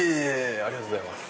ありがとうございます。